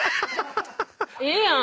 ええやん。